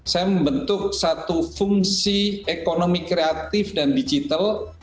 saya membentuk satu fungsi ekonomi kreatif dan digital